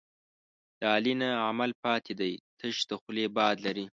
د علي نه عمل پاتې دی، تش د خولې باد لري.